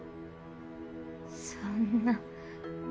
そんな。